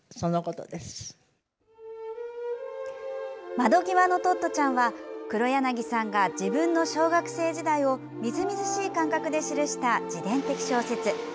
「窓ぎわのトットちゃん」は黒柳さんが自分の小学生時代をみずみずしい感覚で記した自伝的小説。